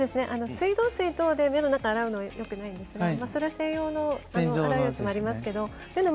水道水などで目の中を洗うのは、よくないんですがそれ専用の洗うものがありますよね。